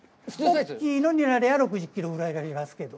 大きいのになれば、６０キロぐらいありますけど。